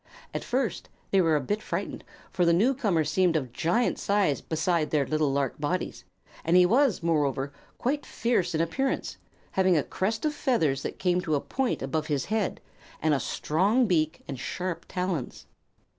At first they were a bit frightened, for the newcomer seemed of giant size beside their little lark bodies, and he was, moreover, quite fierce in appearance, having a crest of feathers that came to a point above his head, and a strong beak and sharp talons.